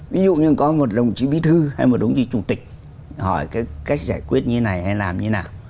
ví dụ như có một đồng chí bí thư hay một đồng chí chủ tịch hỏi cái cách giải quyết như thế này hay làm như nào